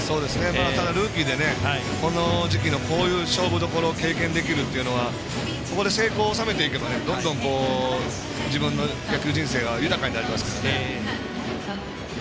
ルーキーで、この時期のこういう勝負どころを経験できるというのはここで成功を収めていけばどんどん、自分の野球人生豊かになりますからね。